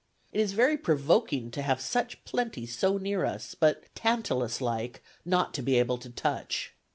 It is very provoking to have such a plenty so near us, but, Tantalus like, not to be able to touch.